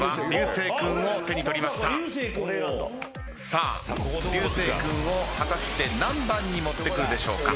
さあ流星君を果たして何番に持ってくるでしょうか？